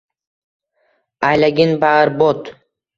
Aylagin barbod.